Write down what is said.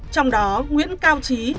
trong đó nguyễn cao trí